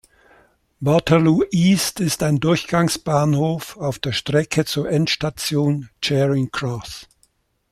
Waterloo East ist ein Durchgangsbahnhof auf der Strecke zur Endstation Charing Cross.